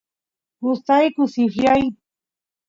gustayku sifryay